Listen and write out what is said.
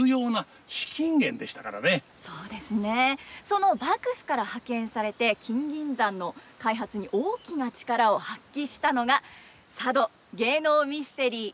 その幕府から派遣されて金銀山の開発に大きな力を発揮したのが佐渡芸能ミステリー